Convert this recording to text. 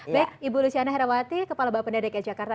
baik ibu luciana herawati kepala bapak pendidikan jakarta